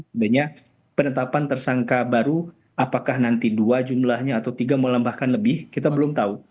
sebenarnya penetapan tersangka baru apakah nanti dua jumlahnya atau tiga melembahkan lebih kita belum tahu